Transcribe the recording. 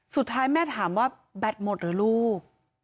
สุดท้ายแม่ถามว่าแบตหมดหรือลูก